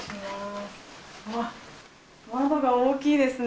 わぁ、窓が大きいですね。